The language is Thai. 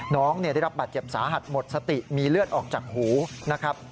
น้องได้รับบาดเจ็บสาหัสหมดสติมีเลือดออกจากหูนะครับ